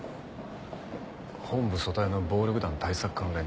本部組対の暴力団対策課の連中だな。